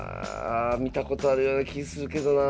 見たことあるような気するけどなあ。